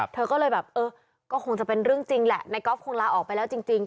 เธอก็เลยแบบเออก็คงจะเป็นเรื่องจริงแหละนายกอล์ฟคงลาออกไปแล้วจริง